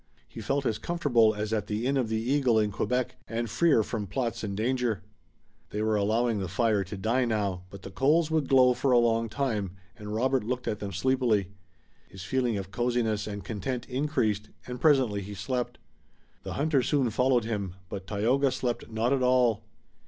He felt as comfortable as at the Inn of the Eagle in Quebec, and freer from plots and danger. They were allowing the fire to die now, but the coals would glow for a long time, and Robert looked at them sleepily. His feeling of coziness and content increased, and presently he slept. The hunter soon followed him, but Tayoga slept not at all.